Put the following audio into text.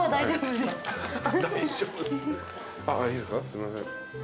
すいません。